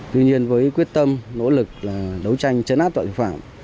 tuy nhiên với quyết tâm nỗ lực đấu tranh chấn áp tội phạm